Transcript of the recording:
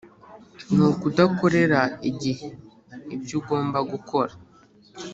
Ni ukudakorera igihe ibyo ugomba gukora